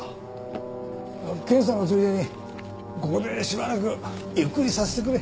検査のついでにここでしばらくゆっくりさせてくれ。